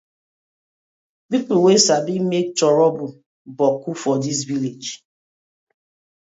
Pipu wey sabi mak toruble boku for dis villag.